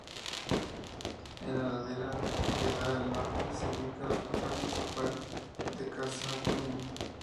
En la ladera que da al norte se ubica la Puerta Principal de Khazad-dûm.